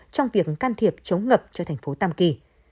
trong việc can thiệp chống ngập cho thành phố tam kỳ